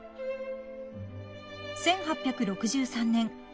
［１８６３年